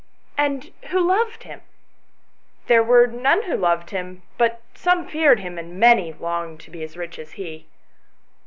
" And who loved him ?"" There were none who loved him, but some feared him, and many longed to be as rbh as he."